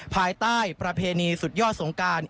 ภายใต้ประเพณีสุดยอดสงการ